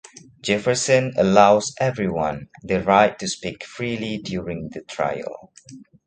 Jefferson allows everyone the right to speak freely during the trial.